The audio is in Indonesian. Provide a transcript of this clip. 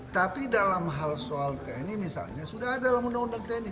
tapi dalam hal soal tni misalnya sudah ada dalam undang undang tni